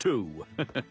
ハハハ。